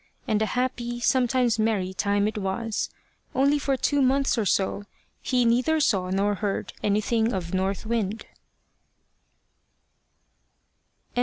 And a happy, sometimes a merry time it was. Only for two months or so, he neither saw nor heard anything of North Wind.